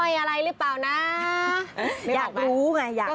นั่นอะไรใช่ไงเนี่ยอยากรู้ไงอยากรู้